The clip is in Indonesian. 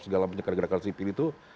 segala macam gerakan sipil itu